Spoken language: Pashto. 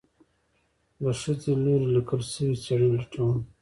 د خځې لوري ليکل شوي څېړنې لټوم